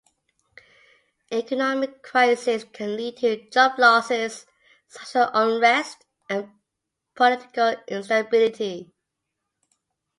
Economic crises can lead to job losses, social unrest, and political instability.